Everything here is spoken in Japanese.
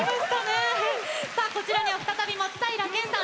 こちらには再び松平健さん